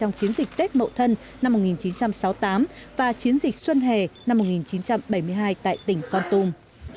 trong chiến dịch tết mậu thân năm một nghìn chín trăm sáu mươi tám và chiến dịch xuân hè năm một nghìn chín trăm bảy mươi hai tại tỉnh con tum